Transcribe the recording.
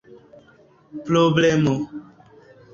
problemo